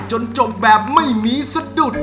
จนจบแบบไม่มีสะดุด